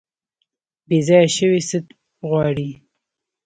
بیځایه شوي څه غواړي؟